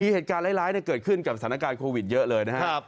เหตุการณ์ร้ายเกิดขึ้นกับสถานการณ์โควิดเยอะเลยนะครับ